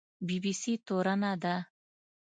بي بي سي تورنه ده